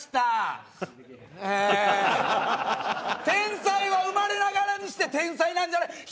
天才は生まれながらにして天才なんじゃない。